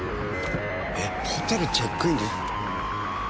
えっホテルチェックインに？